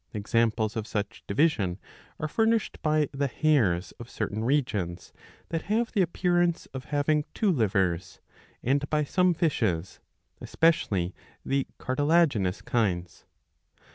^ Examples of such division are furnished by the hares of certain regions that have the appearance of having two livers, and by some fishes, especially the cartilaginous kinds.